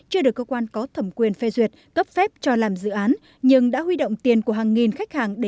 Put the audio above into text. chưa được cơ quan có thẩm quyền phê duyệt cấp phép cho làm dự án nhưng đã huy động tiền của hàng nghìn khách hàng để